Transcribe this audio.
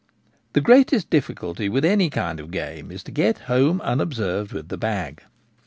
The greatest difficulty with any kind of game is to get home unobserved with the bag.